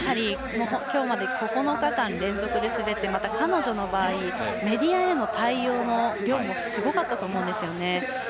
今日まで９日間連続で滑ってまた彼女の場合メディアへの対応の量もすごかったと思うんですよね。